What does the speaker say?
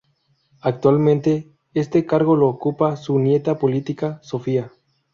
Actualmente, este cargo lo ocupa su nieta política Sofía.